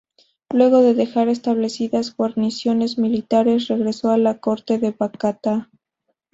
Luego de dejar establecidas guarniciones militares, regresó a la Corte de Bacatá.